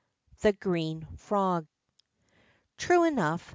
THE GKEEH FEOG T EUE enough.